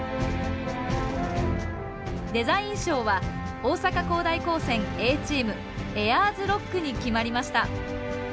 デザイン賞は大阪公大高専Ａチーム「ＡＩＲｓＲＯＣＫ」に決まりました。